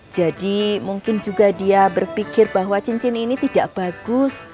jadi mungkin juga dia berpikir bahwa cincin ini tidak bagus